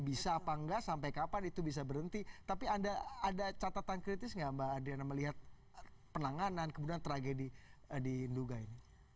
bisa apa enggak sampai kapan itu bisa berhenti tapi ada catatan kritis nggak mbak adriana melihat penanganan kemudian tragedi di nduga ini